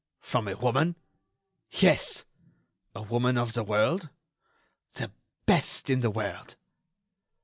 "From a woman?" "Yes." "A woman of the world?" "The best in the world."